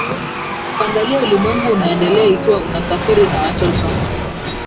kuangalia ulimwengu unaendelea Ikiwa unasafiri na watoto